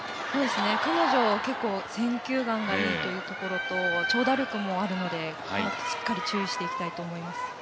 彼女、結構、選球眼がいいというところと長打力もあるのでしっかり注意していきたいと思います。